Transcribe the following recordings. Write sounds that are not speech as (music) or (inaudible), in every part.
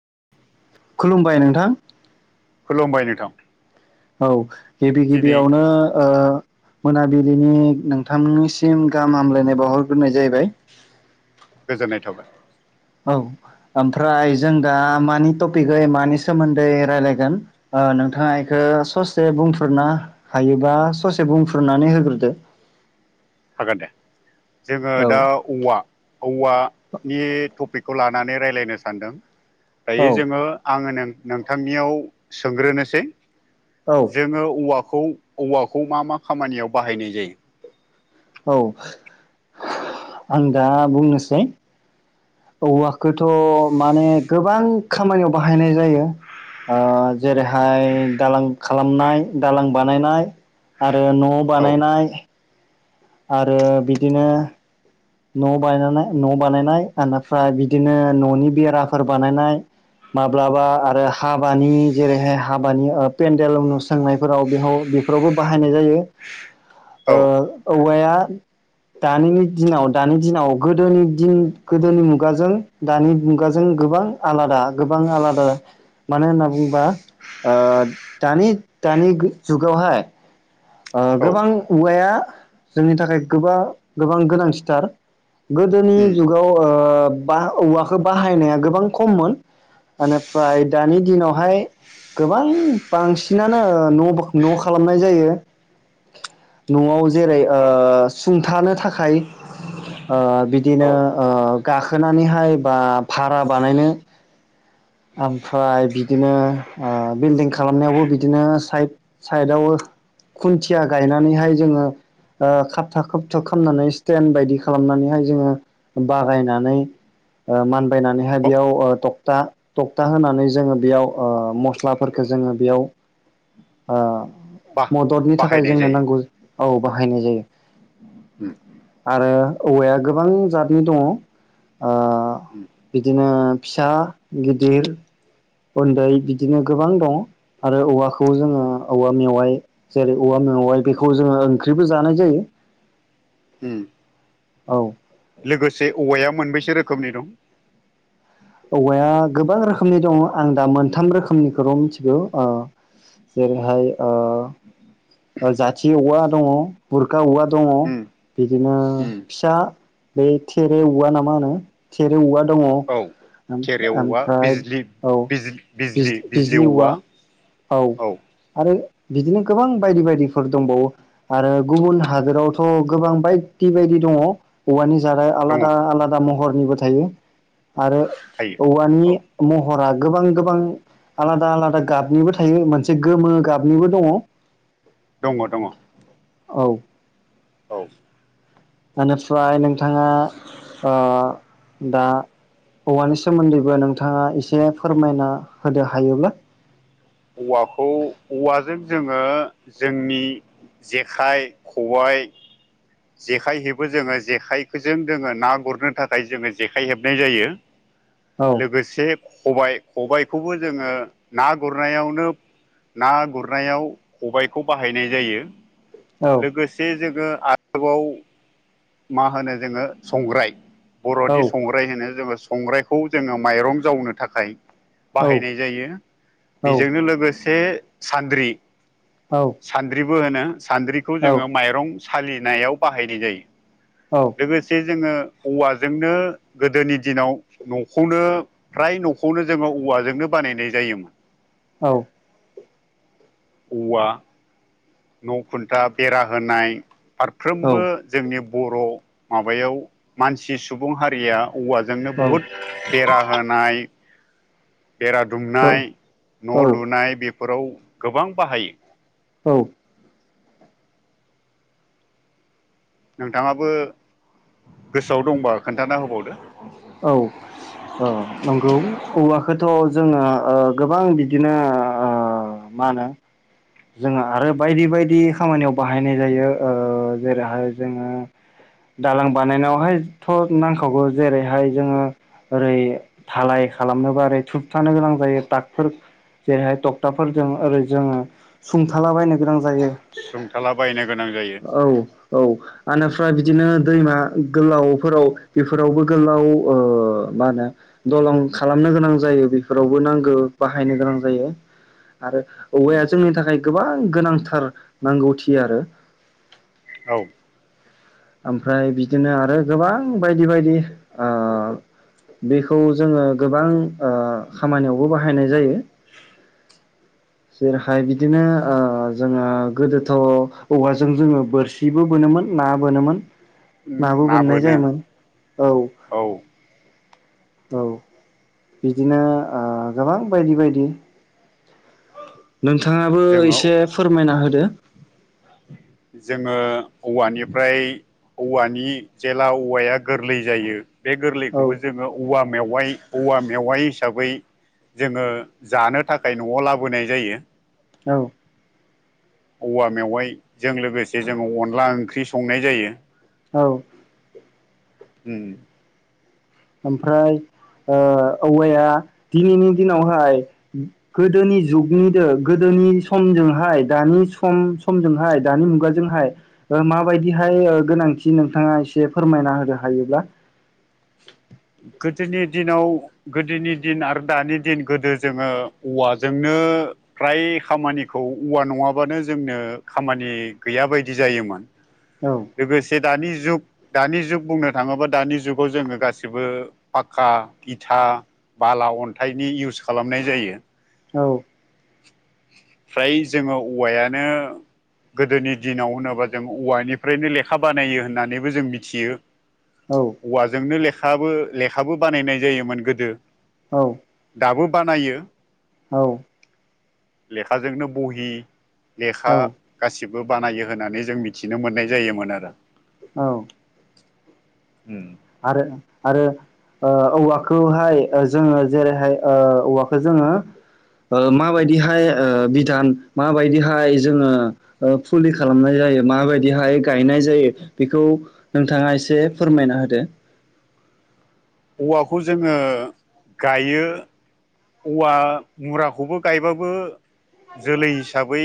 (inaudible) खुलुमबाय नोंथां। खुलुमबाय नोंथां। औ गिबि दिनै गिबियावनो ओ मोनाबिलिनि नोंथांनिसिम गाहाम हामलायनाय बावहरग्रोनाय जाहैबाय। (unintelligible) गोजोननाय थाबाय। औव ओमफ्राय जों दा मानि टपिकै मानि सोमोन्दै रायज्लायगोन नोंथाङा बेखौ ओ ससे बुंफ्रना हायोबा ससे बुंफ्रनानै होग्रोदो हागोन दे जोङो औ दा औवा औवा नि टपिकखौ लानानै रायज्लायनो सानदों औ दायो जोङो आङो नों नोंथांनियाव सोंग्रोनोसै औ जोङो औवाखौ औव औवाखौ मा मा खामानियाव बाहायनाय जायो। औव आं दा बुंनोसै। औवखौथ' माने गोबां खामानियाव बाहायनाय जायो। जेरैहाय दालां खालामनाय दालां बानायनाय ओ न' औ बानायनाय आरो बिदिनो न' बानाय न' बानायनाय आनिफ्राय बिदिनो न'नि बेराफोर बानायनाय माब्लाबा आरो हाबानि जेरैहाय हाबानि ओ पेडेल उनु सोंनायफोराव बेयाव बेफोरावबो बाहायनाय जायो। औ औवाया दानिनि दिनाव दानि दिनाव गोदोनि दिन गोदोनि मुगाजों दानि मुगाजों गोबां आलादा गोबां बां आलादा मानो होनना बुंङोबा ओ दानि दानि जुगावहाय ओ औ गोबां औवाया जोंनि थाखाय गोबा गोबां गोनांथिथार। गोदोनि उम जुगाव ओ बा औवाखौ बाहायनाया गोबां खममोन। इनिफ्राय दानि दिनावहाय गोबां बांसिनानो न' न' खालामनाय जायो। न'आव जेरै ओ औ सुंथानो थाखाय। ओ बिदिनो औ ओ गाखोनानैहाय बा भारा बानायनो। (unintelligible) ओमफ्राय बिदिनो ओ बिल्डिं खालामनायावबो बिदिनो साइड साइडआव खुन्थिया गायनानैहाय जोङो ओ खाबथा खोबथाब खालामनानै स्टेन बायदि खालामनानैहाय जोङो बागायनानै। ओ मानबायनानैहाय बेयाव ओ थक्था थक्था होनानै जोङो बेयाव ओ मस्लाफोरखो जोङो बेयाव ओ बा मददनि थाखाय बाहायनाय जोंनो जायो नांगौ औ बाहायनाय जायो उम आरो औवाया गोबां जातनि दङ ओ उम बिदिनो फिसा गिदिर उन्दै बिदिनो गोबां दं आरो औवाखौ जोङो औवा मेवाय जेरै औवा मेवाय बेखौ जोङो ओंख्रिबो जानाय जायो। ओम। औ। लोगोसे औवाया मोनबैसो रोखोमनि दं? औवाया गोबां रोखोमनि दङ आं दा मोनथाम रोखोमनिखौल' मिथिगौ ओ जेरैहाय ओ जाथि औवा दङ बुरका औवा दङ। उम बिदिनो उम फिसा बै थेरे औवा ना मा होनो थेरे औवा दङ। औ थेरे ओमफ्राय औवा ओमफ्राय बिजलि औ बिज बिजलि औवा। औ आरो बिदिनो गोबां बायदि बायदिफोर दंबावो आरो गुबुन हादोरावथ' गोबां बायदि बायदि दङ औवानि जारा दङ आलादा आलादा महरनिबो थायो। आरो थायो औवानि औ महरा गोबां गोबां आलादा आलादा गाबनिबो थायो मोनसे गोमो गाबनिबो दङ। दङ दङ। औ। औ। इनिफ्राय नोंथाङा ओ दा औवानि सोमोन्दैबो नोंथाङा एसे फोरमायना होदो हायोब्ला। औवाखौ औवाजों जोङो जोंनि जेखाइ खबाय। जेखाइ हेबो जोङो जेखाइखोजों जोङो ना गुरनो थाखाय जोङो जेखाइ हेबनाय जायो। औ लोगोसे खबाय खबायखौबो जोङो ना गुर गुरनायावनो ना गुरनायाव खबाइखौ बाहायनाय जायो। औ लोगोसे जों जोङो आरोबाव मा होनो जोङो संग्राय औ बर'नि संग्राय होनो जोङो संग्रायखौ जोङो माइरं जावनो थाखाय बाहायनाय जायो औ बेजोंनो लोगोसे सान्द्रि सान्द्रिबो होनो सान्द्रिखौ जोङो माइरं सालिनायाव बाहायनाय जायो लोगोसे जोङो औवाजोंनो गोदोनि दिनाव न'खौनो फ्राय न'खौनो जोङो औवाजोंनो बानायनाय जायोमोन औ औवा न' खुन्था बेरा होनाय औ फारफ्रोमबो जोंनि बर' माबायाव मानसि सुबुं हारिया औवाजोंनो बहुद बेरा होनाय बेरा औ औ दुमनाय न' औ लुनाय बेफोराव गोबां बाहायो औ नोंथाङाबो गोसोआव दंबा खोन्थाना होबावदो औ ओ नंगौ औवाखौथ' जोङो ओ गोबां बिदिनो ओ मा होनो जोङो आरो बायदि बायदि खामानियाव बाहायनाय जायो ओ जेरैहाय जोङो दालां बानायनायावहायथ' नांखावगौ जेरैहाय जोङो ओरै धालाय खालामनोबा ओरै थुबथानो गोनां जायो टागफोर जेरैहाय डक्टाफोरजों ओरै जोङो सुंथालाबायनो गोनां जायो सुंथाला बायनो गोनां जायो (inaudible) औ औ आनिफ्राय बिदि दिनो दैमा गोलावफोराव बेफोरावबो गोलाव ओ मा होनो दलं खालामनो गोनां जायो बेफोरावबो नांगौ बाहायनो गोनां जायो। आरो औवाया जोंनि थाखाय गोबां गोनांथार नांगौथि आरो औ ओमफ्राय बिदिनो आरो गोबां बायदि बायदि ओ बेखौ जोङो गोबां ओ खामानियावबो बाहायनाय जायो (inaudible) जेरैहाय बिदिनो ओ जोङो गोदोथ' औवाजों जोङो बोरसिबो बोनोमोन ना बोनोमोन नाबो ना बोननाय बोनो जायोन औ औ औ बिदिनो ओ गोबां बायदि बायदि नोंथाङाबो जोङो एसे फोरमायना होदो जोङो औवानिफ्राय औवानि जेला औवाया गोरलै जायो बे औ गोरलैखौबो जोङो औवा मेवाइ औवा मेवाइ हिसाबै जोङो जानो थाखाय न'आव लाबोनाय जायो औ औवा मेवाइजों लोगोसे जोङो अनला ओंख्रि संनाय जायो औ उम ओमफ्राय ओ औवाया दिनैनि दिनावहाय गोदोनि जुगनिदो गोदो नि समजोंहाय दानि सम समजोंहाय दानि मुगाजोंहाय माबायदिहाय ओ गोनांथि नोंथाङा एसे फोरमायना होदो हायोब्ला गोदोनि दिनाव गोदोनि दिन आरो दानि दिन गोदो जोङो औवाजोंनो ओ फ्राय खामानिखौ औवा नङाबानो जोंनो खामानि गैया बायदि जायोमोन औ लोगोसे दानि जुग दानि जुग बुंनो थाङोबा दानि जुगाव जोङो गासिबो पाक्का इथा बाला अन्थाइनि इउस खालामनाय जायो औ (inaudible) फ्राय जोङो औवायानो गोदोनि दिनाव होनोबा जों औवानि फ्रायनो लेखा बानायो होननानैबो जों मिथियो औ औवाजोंनो लेखा बो लेखाबो बानायनाय जायोमोन गोदो औ दाबो बानायो औ लेखाजोंनो बहि लेखा औ गासि बोनायो होननानै जों मिथिनो मोननाय जायोमोन आरो औ उम आरो आरो औवाखौहाय जोङो जेरैहाय ओ औवाखौ जोङो ओ माबायदिहाय बिधान माबायदिहाय जोङो फुलि खालामनाय जायो। जायो माबायदिहाय गायनाय जायो बेखौ नोंथाङा एसे फोरमायना होदो। औवाखौ जोङो गायो। औवा मुराखौबो गायबाबो जोलै हिसाबै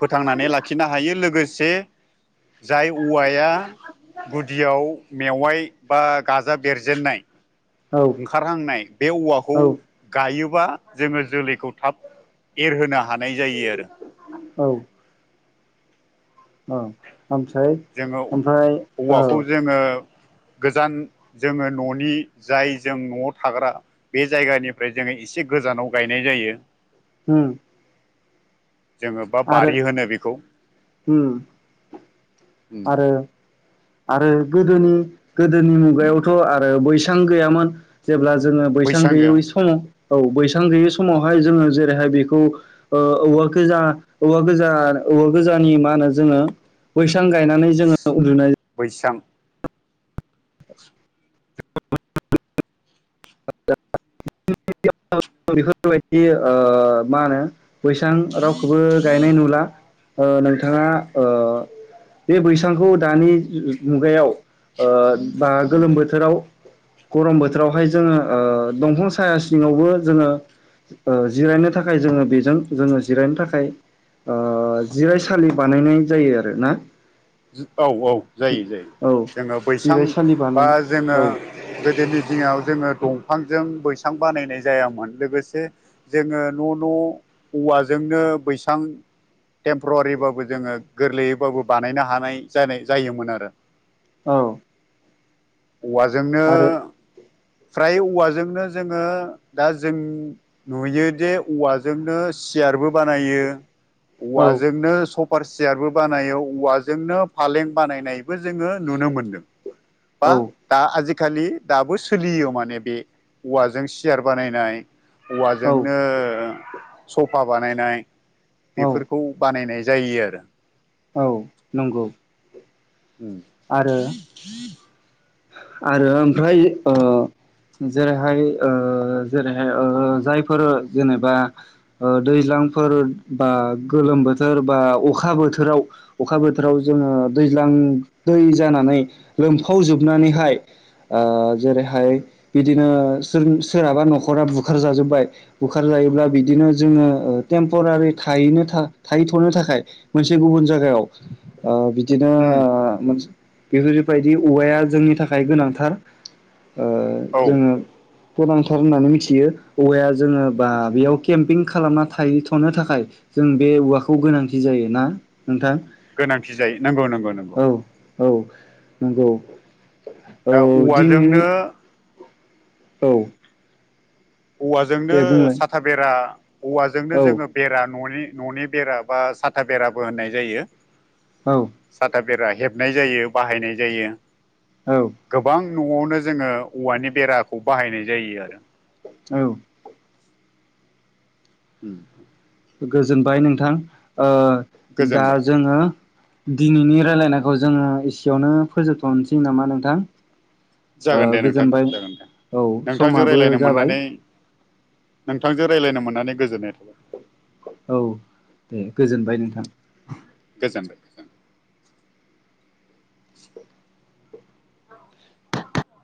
फोथांनानै लाखिनो हायो लोगोसे जाय औवाया गुदियाव मेवाइ बा गाजा बेरजेननाय औ ओंखारहांनाय बे औवाखौ औ गायो। बा जोङो जोलैखौ थाब एरहोनो हानाय जायो आरो औ औ ओमफ्राय जोङो ओमफ्राय औ। औवाखौ जोङो गोजान जोङो न'नि जाय जों न'आव थाग्रा बे जायगानिफ्राय जोङो एसे गोजानाव गायनाय जायो। उम जोङो बा आरो बारि होनो बेखौ ओम आरो आरो गोदोनि गोदोनि मुगायावथ' आरो बैसां गैयामोन। जेब्ला जोङो बैसां गैयै समाव औ बैसां गैयि समावहाय जोङो जेरैहाय बेखौ औवा गोजा औवा गोजा औबेबा गोजानि मा होनो जोङो बैसां गायनानै जोङो उन्दुनाय बैसां (unintelligible) बेफोरबायदि ओ मा होनो। बैसां रावखौबो गायनाय नुला नोंथाङा। बे बैसांखौ दानि मुगायाव ओ बा गोलोम बोथोराव। गरम बोथोरावहाय जो दंफां साया सिङावबो जोङो जिरायनो थाखाय जोङो जों जोङो जिरायनो थाखाय जिरायसालि बानायनाय जायो आरोना। औ औ जायो जायो। औ जोङो बैसां जिरायसालि बा बानायनाय जोङो औ गोदोनि दिनाव जोङो दंफांजों बैसां बानायनाय जायामोन लोगोसे जोङो न' न' औवाजों जोंनो बैसां टेम्परवारिबाबो जोङो गोरलैयैबाबो बानायनो हायो। जायोमोन आरो औ औवाजोंनो आरो फ्राय औवाजोंनो जोङो दा जों नुयो जे औवाजोंनो सियारबो बानायो औ औवाजोंनो सफार सियारबो बानायो औवा जोंनो फालें बानायनायबो जोङो नुनो मोनदों बा औ दा आजि खालि दाबो सोलियो माने बे औवाजों सियार बानायनाय। औवाजोंनो औ सफा बानायनाय औ बेफोरखौ बानायनाय जा जायो आरो औ नंगौ। आरो (inaudible) आरो ओमफ्राय ओ जेरैहाय जेरैहाय जायफोर जेनेबा ओ दैज्लां फोर बा गोलोम बोथोर बा अखा बोथोराव अखा बोथोराव जोङो दैज्लां गां दै जानानै लोमफावजोबनानैहाय। ओ जेरैहाय बिदिनो सोरहाबा न'खरा बुखार जाजोब्बाय बुखार थायोब्ला बिदिनो जोङो ओ टेमपरारि थायैनो थाहै थनो थाखाय मोनसे गुबुन जयगा औ ओ बिदिनो उम ओ मोनस बेफोरबायदि औवाया जोंनि थाखाय गोनांथार ओ औ जोङो गोनांथार होननानै मिथियो औवाया जोङो बा बेयाव केम्पिं खालामना थाहैथ'नो थाखाय जों बे औवाखौ गोनांथि जायो ना। नोंथां गोनांथि जायो नंगौ नंगौ नंगौ। औ औ नंगौ। औ दा दिनैनि औवाजोंनो औ। औवाजोंनो दे बुंलाय साथा बेरा औवाजोंनो औ जोङो बेरा न'नि न'नि बेरा बा साथा बेराबो होननाय जायो। औ। साथा बेरा हेबनाय जायो बाहायनाय जायो। औ। गोबां न'आवनो जोङो औवानि बेराखौ बाहायनाय जायो आरो। औ। उ। गोजोनबाय नोंथां ओ दा गोजोनबाय जोङो दिनैनि रायलायनायखौ जोङो एसेयावनो फोजोबथ'नोसै नामा नोंथां? ओ जागोन दे नोंथां गोजोनबाय जागोन दे औ नोंथांजों समाबो रायलायनो जाबाय मोननानै नोंथांजों रायज्लायनो मोननानै गोजोननाय थाबाय। औ दे गोजोनबाय नोंथां। गोजोनबाय ओं।